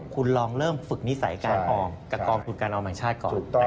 คุณลองเริ่มฝึกนิสัยการออมกับกองทุนการออมแห่งชาติก่อน